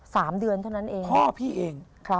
สามเดือนเท่านั้นเองครับพ่อพี่เอง